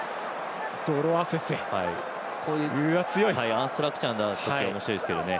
アンストラクチャーの時はおもしろいですけどね。